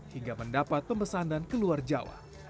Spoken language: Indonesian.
hingga mendapat pemesanan ke luar jawa